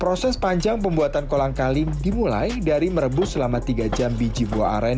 proses panjang pembuatan kolang kaling dimulai dari merebus selama tiga jam biji buah aren